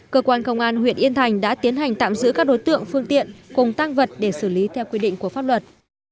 cơ quan công an huyện yên thành đã tiến hành tạm giữ các đối tượng phương tiện cùng tăng vật để xử lý theo quy định của pháp luật